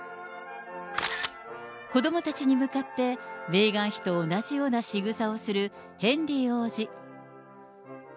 子どもたちに向かってメーガン妃と同じようなしぐさをするヘンリー王子。